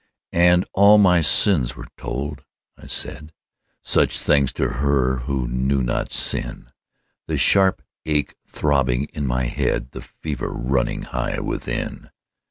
And all my sins were told; I said Such things to her who knew not sin The sharp ache throbbing in my head, The fever running high within.